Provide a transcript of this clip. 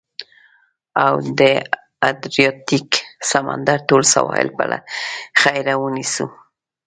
او د ادریاتیک سمندر ټول سواحل به له خیره، ونیسو.